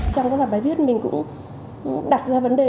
trong các bài viết mình cũng đặt ra vấn đề